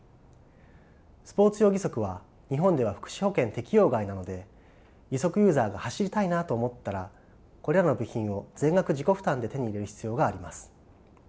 スポーツ用義足は日本では福祉保険適用外なので義足ユーザーが走りたいなと思ったらこれらの部品を全額自己負担で手に入れる必要があります。